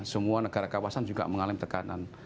semua negara kawasan juga mengalami tekanan